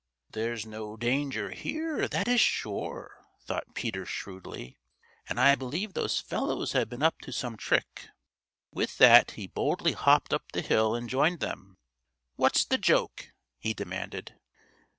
"There's no danger here; that is sure," thought Peter shrewdly, "and I believe those fellows have been up to some trick." With that he boldly hopped up the hill and joined them. "What's the joke?" he demanded.